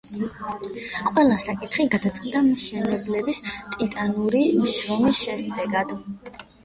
ყველა საკითხი გადაწყდა მშენებლების ტიტანური შრომის შედეგად.